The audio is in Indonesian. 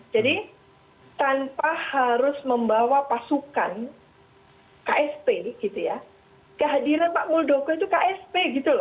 jadi tanpa harus membawa pasukan ksp kehadiran pak muldoko itu ksp